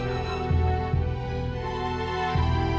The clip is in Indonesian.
ada yang mengejar ngejar saya